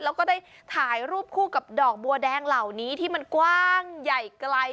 แล้วก็ได้ถ่ายรูปคู่กับดอกบัวแดงเหล่านี้ที่มันกว้างใหญ่ไกล